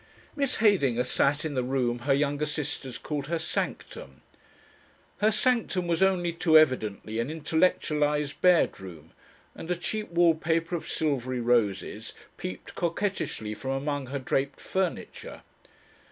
Miss Heydinger sat in the room her younger sisters called her "Sanctum." Her Sanctum was only too evidently an intellectualised bedroom, and a cheap wallpaper of silvery roses peeped coquettishly from among her draped furniture.